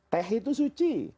teh itu suci